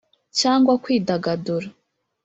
cyangwa kwidagadura,